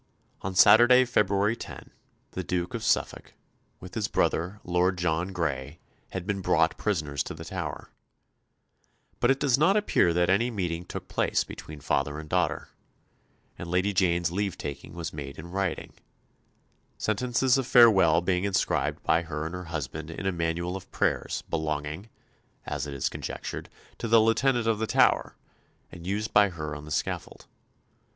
On Saturday, February 10, the Duke of Suffolk, with his brother, Lord John Grey, had been brought prisoners to the Tower; but it does not appear that any meeting took place between father and daughter, and Lady Jane's leave taking was made in writing; sentences of farewell being inscribed by her and her husband in a manual of prayers belonging, as is conjectured, to the Lieutenant of the Tower, and used by her on the scaffold.